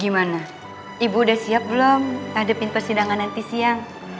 gimana ibu udah siap belum hadepin persidangan nanti siang